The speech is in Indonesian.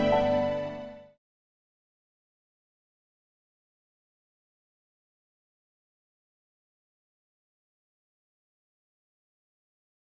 pas pdf apa sih si dapat kolom kom skip